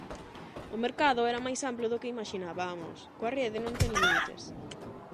O mercado era máis amplo do que imaxinabamos: coa Rede non ten límites.